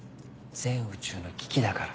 全宇宙の危機だから。